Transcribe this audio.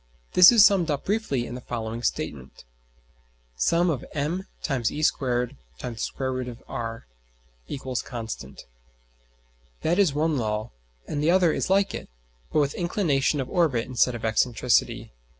This is summed up briefly in the following statement: [Sigma](me^2 [square root]r) = constant. That is one law, and the other is like it, but with inclination of orbit instead of excentricity, viz.